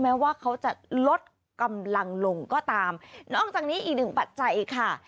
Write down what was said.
แม้ว่าเขาจะลดกำลังลงก็ตามนอกจากนี้อีกหนึ่งปัจจัยค่ะ